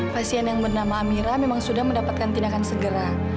pasien yang bernama amira memang sudah mendapatkan tindakan segera